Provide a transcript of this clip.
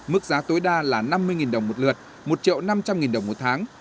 mức giá tối đa là năm mươi đồng một lượt một triệu năm trăm linh đồng một tháng